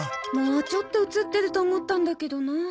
もうちょっと写ってると思ったんだけどな。